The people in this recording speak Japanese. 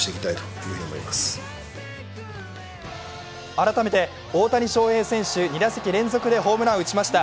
改めて、大谷翔平選手２打席連続でホームランを打ちました。